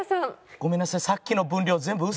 「ごめんなさい」。